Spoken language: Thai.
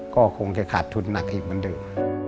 ก็คงจะขาดทุนหนักอีกเหมือนเดิม